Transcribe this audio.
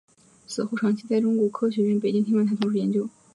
此后长期在中国科学院北京天文台从事研究。